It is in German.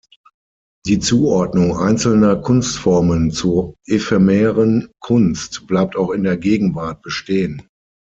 Die Zuordnung einzelner Kunstformen zur "ephemeren Kunst" bleibt auch in der Gegenwart bestehen.